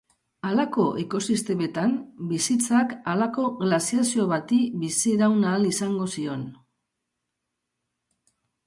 Halako ekosistemetan bizitzak halako glaziazio bati biziraun ahal izango zion.